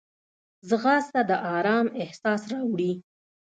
ځغاسته د آرام احساس راوړي